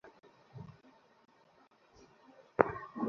কয়েকটি মহলের ইন্ধনে তখন খালে আড়াআড়ি বাঁধ দিয়ে ডিমওয়ালা মাছ ধরা হয়।